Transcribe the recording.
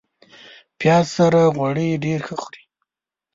پیاز سره غوړي ډېر ښه خوري